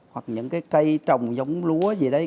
hoặc những cái cây trồng giống lúa gì đấy